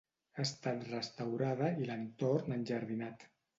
Ha estat restaurada i l'entorn enjardinat.